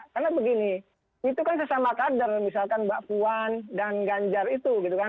karena begini itu kan sesama kader misalkan mbak puan dan ganjar itu